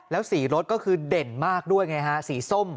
แล้วสีรถก็คือเด่นมากด้วยไงฮะสีส้ม